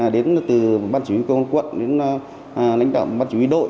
đến từ ban chỉ huy cơ quan quận đến lãnh đạo ban chỉ huy đội